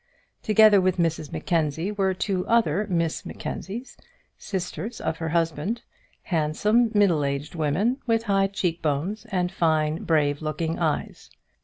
Together with Mrs Mackenzie were two other Miss Mackenzies, sisters of her husband, handsome, middle aged women, with high cheek bones and fine brave looking eyes.